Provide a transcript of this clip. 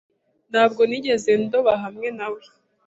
Ntabwo nigeze ndoba hamwe nawe .